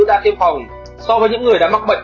đã thiêm phòng so với những người đã mắc bệnh